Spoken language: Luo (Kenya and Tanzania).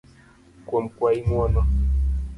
kuom kwayi ng'uono